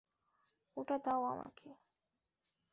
ওটা দাও আমাকে।